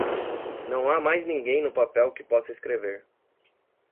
Não há mais ninguém no papel que possa escrever!